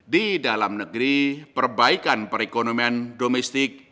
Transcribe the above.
di dalam negeri perbaikan perekonomian domestik